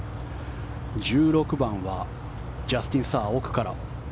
１６番はジャスティン・サー、奥から。